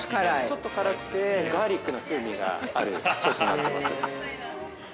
◆ちょっと辛くて、ガーリックな風味があるソースになっています。